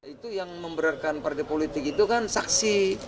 itu yang memberatkan partai politik itu kan saksi